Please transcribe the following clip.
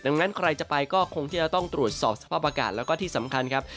ดังนั้นใครจะไปก็คงที่จะต้องตรวจสอบสภาพอากาศแล้วก็ที่สำคัญครับ